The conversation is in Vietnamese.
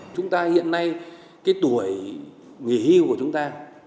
chúng ta hiện nay cái tuổi nghỉ hưu của chúng ta